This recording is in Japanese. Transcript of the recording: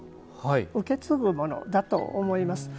受け継ぐものだと思います。